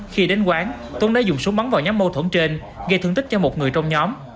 khi đến quán tuấn đã dùng súng bắn vào nhóm mâu thuẫn trên gây thương tích cho một người trong nhóm